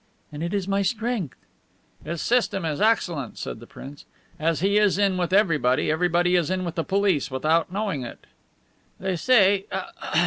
And it is my strength." "His system is excellent," said the prince. "As he is in with everybody, everybody is in with the police, without knowing it." "They say...